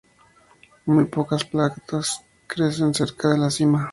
Muy pocas plantas crecen cerca de la cima.